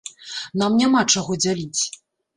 Нам няма чаго дзяліць.